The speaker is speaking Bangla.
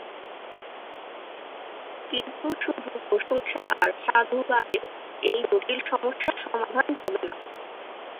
কিন্তু শুধু প্রশংসা আর সাধুবাদে এই জটিল সমস্যার সমাধান হবে না।